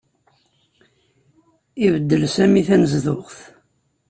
Ibeddel Sami tanezduɣt.